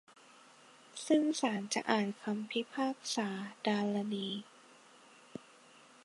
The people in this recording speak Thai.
ซึ่งศาลจะอ่านคำพิพากษาดารณี